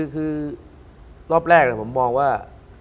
คือรอบแรกผมมองว่า